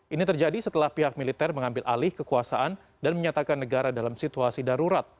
ini terjadi setelah pihak militer mengambil alih kekuasaan dan menyatakan negara dalam situasi darurat